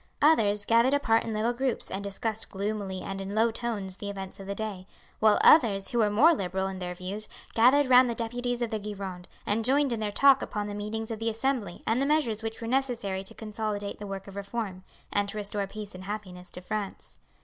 Others gathered apart in little groups and discussed gloomily and in low tones the events of the day; while others who were more liberal in their views gathered round the deputies of the Gironde and joined in their talk upon the meetings of the Assembly and the measures which were necessary to consolidate the work of reform, and to restore peace and happiness to France.